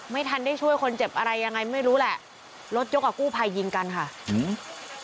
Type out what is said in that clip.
ไม่ทันได้ช่วยคนเจ็บอะไรยังไงไม่รู้แหละรถยกกับกู้ภัยยิงกันค่ะอืม